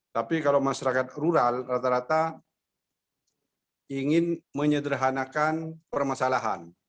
tapi kalau masyarakat rural rata rata ingin menyederhanakan permasalahan